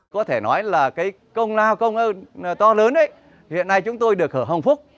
có thể nói là công nào công to lớn hiện nay chúng tôi được hưởng hồng phúc